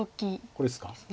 ここですか？